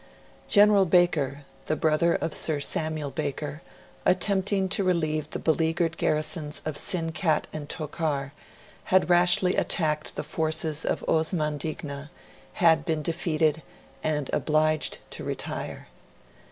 General Baker, the brother of Sir Samuel Baker, attempting to relieve the beleaguered garrisons of Sinkat and Tokar, had rashly attacked the forces of Osman Digna, had been defeated, and obliged to retire.